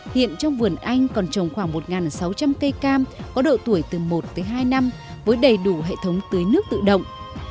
hiện trong vườn anh còn trồng khoảng một sáu trăm linh cây cam có độ tuổi từ một tới hai năm với đầy đủ hệ thống tưới nước tự động